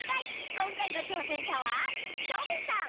こんかいのちょうせんしゃはチョビさん。